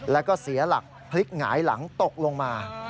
แล้วก็เสียหลักพลิกหงายหลังตกลงมา